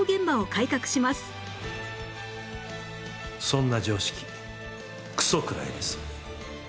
そんな常識クソ食らえです。